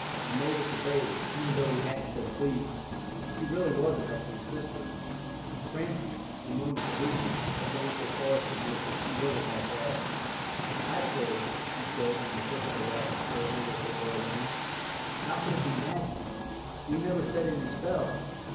And Mavis obeyed, even though he hadn't said "please." She really was an excellent sister. Francis, in moments of weakness, had gone so far as to admit that she wasn't half bad. "I say," she said when the click of the latch assured her that they were alone, "how could it be magic? We never said any spell."